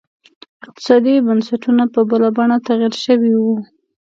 اقتصادي بنسټونه په بله بڼه تغیر شوي وو.